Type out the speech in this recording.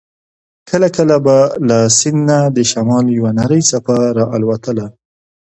کله کله به له سیند نه د شمال یوه نرۍ څپه را الوته.